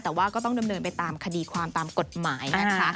แต่ว่าก็ต้องดำเนินไปตามคดีความตามกฎหมายนะคะ